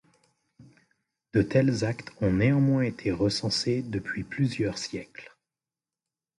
De tels actes ont néanmoins été recensés depuis plusieurs siècles.